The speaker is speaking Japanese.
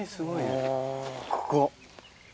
ここ。